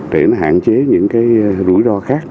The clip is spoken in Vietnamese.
để hạn chế những rủi ro khác